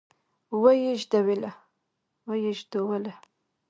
ويې ژدويله.